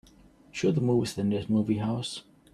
show the movies at the nearest movie house